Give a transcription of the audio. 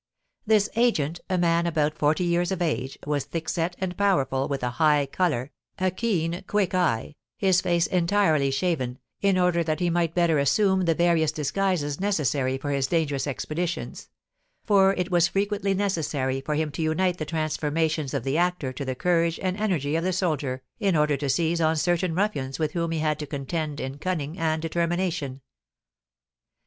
This agent, a man about forty years of age, was thickset and powerful, with a high colour, a keen, quick eye, his face entirely shaven, in order that he might better assume the various disguises necessary for his dangerous expeditions; for it was frequently necessary for him to unite the transformations of the actor to the courage and energy of the soldier, in order to seize on certain ruffians with whom he had to contend in cunning and determination.